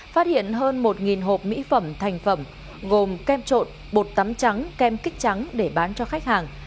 phát hiện hơn một hộp mỹ phẩm thành phẩm gồm kem trộn bột tắm trắng kem kích trắng để bán cho khách hàng